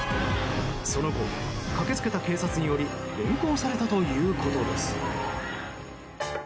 その後、駆け付けた警察により連行されたということです。